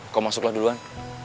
kau masuklah duluan